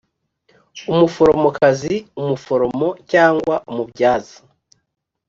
Umuforomokazi umuforomo cyangwa umubyaza